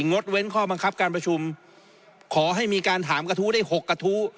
ดเว้นข้อบังคับการประชุมขอให้มีการถามกระทู้ได้หกกระทู้